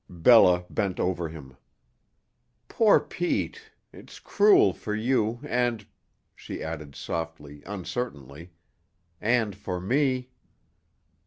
Bella bent over him. "Poor Pete! It's cruel for you and," she added softly, uncertainly, "and for me."